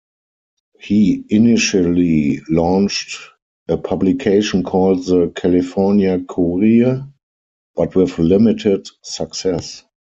He initially launched a publication called the "California Courier," but with limited success.